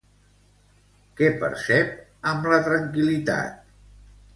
Què percep, amb la tranquil·litat?